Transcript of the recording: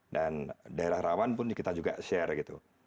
dan daerah rawan pun kita juga share gitu